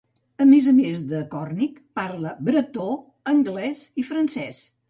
A més a més de còrnic, parla bretó, anglès i francès.